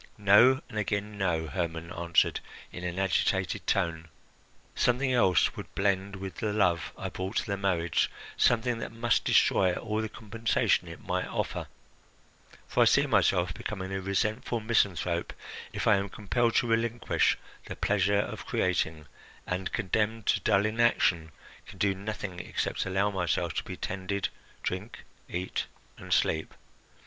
"No, and again no!" Hermon answered in an agitated tone. "Something else would blend with the love I brought to the marriage, something that must destroy all the compensation it might offer; for I see myself becoming a resentful misanthrope if I am compelled to relinquish the pleasure of creating and, condemned to dull inaction, can do nothing except allow myself to be tended, drink, eat, and sleep.